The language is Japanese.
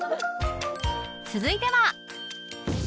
続いては